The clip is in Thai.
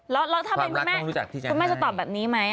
แล้วถ้าเป็นคุณแม่คุณแม่จะตอบแบบนี้ไหม